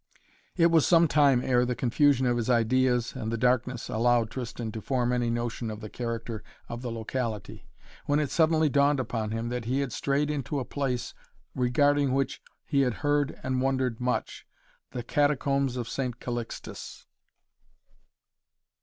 It was some time ere the confusion of his ideas and the darkness allowed Tristan to form any notion of the character of the locality, when it suddenly dawned upon him that he had strayed into a place regarding which he had heard and wondered much: the Catacombs of St. Calixtus.